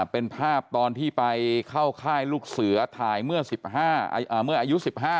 เป็นภาพตอนที่ไปเข้าค่ายลูกเสือถ่ายเมื่ออายุ๑๕